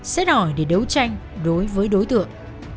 xét hỏi để đấu tranh đối với đối tượng